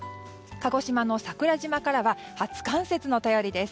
鹿児島の桜島からは初冠雪の便りです。